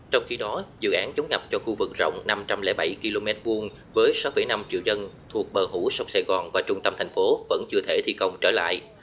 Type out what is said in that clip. trong khi đó dự án chống ngập cho khu vực rộng năm trăm linh bảy km hai với sáu năm triệu dân thuộc bờ hủ sông sài gòn và trung tâm thành phố vẫn chưa thể thi công trở lại